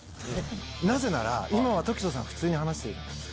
なぜなら、今は凱人さん、普通に話してる。